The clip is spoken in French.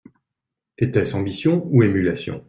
Était-ce ambition ou émulation ?